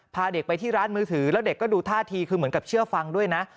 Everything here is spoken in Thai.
พาเด็กไปที่ร้านมือถือแล้วเด็กก็ดูท่าทีคือเหมือนกับเชื่อฟังด้วยนะ